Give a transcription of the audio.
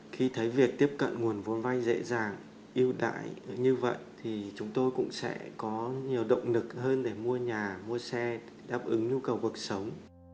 khi thấy việc tiếp cận nguồn vốn vay dễ dàng ưu đãi như vậy thì chúng tôi cũng sẽ có nhiều động lực hơn để mua nhà mua xe đáp ứng nhu cầu cuộc sống